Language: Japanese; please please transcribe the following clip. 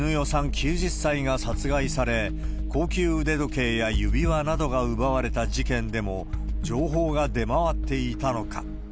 ９０歳が殺害され、高級腕時計や指輪などが奪われた事件でも、情報が出回っていたのか。